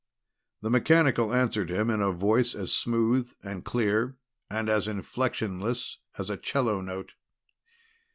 The mechanical answered him in a voice as smooth and clear and as inflectionless as a 'cello note.